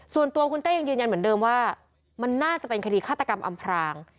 ส่วนตัวคุณเต้ยังยืนยันเหมือนเดิมว่ามันน่าจะเป็นคดีฆาตกรรมอำพราง